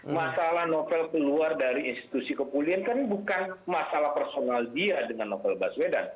masalah novel keluar dari institusi kepolisian kan bukan masalah personal dia dengan novel baswedan